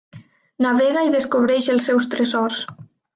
Navega i descobreix els seus tresors!